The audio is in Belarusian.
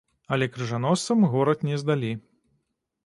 Але крыжаносцам горад не здалі.